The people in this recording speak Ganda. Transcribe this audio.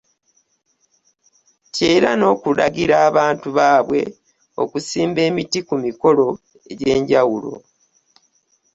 Nti era n'okulagira abantu baabwo okusimba emiti ku mikolo egy'enjawulo.